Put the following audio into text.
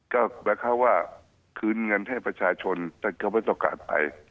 ก็แม้เขาว่าขึ้นเงินให้ประชาชนแต่ก็ไม่ใช่การไป